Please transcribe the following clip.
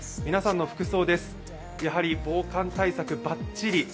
皆さんの服装です、やはり防寒対策バッチリ。